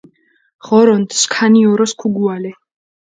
ღორონთ, სქანი ოროს ქუგუალე!